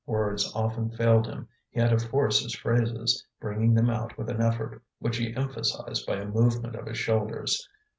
Words often failed him, he had to force his phrases, bringing them out with an effort which he emphasized by a movement of his shoulders.